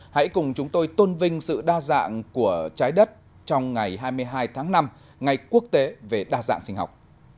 hãy cùng chúng tôi tôn vinh sự đa dạng của trái đất trong ngày hai mươi hai tháng năm ngày quốc tế về đa dạng sinh học